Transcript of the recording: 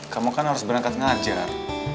kamu kan harus berangkat ngajar